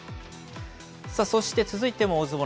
さあ、そして続いても大相撲。